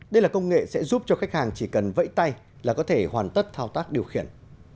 đây là công nghệ sẽ giúp cho khách hàng chỉ cần vẫy tay là có thể hoàn tất thao tác điều khiển